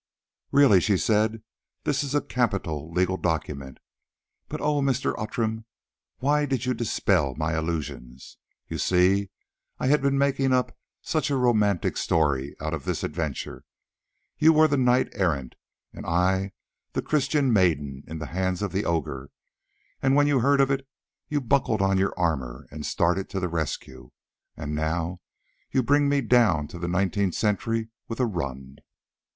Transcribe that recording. "Really," she said, "this is a capital legal document. But oh! Mr. Outram, why did you dispel my illusions? You see, I had been making up such a romantic story out of this adventure. You were the knight errant, and I was the Christian maiden in the hands of the ogre, and when you heard of it you buckled on your armour and started to the rescue. And now you bring me down to the nineteenth century with a run.